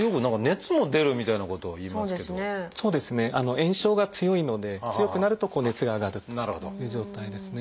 炎症が強いので強くなると熱が上がるという状態ですね。